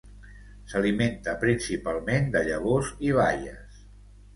S'alimenta principalment de llavors i baies.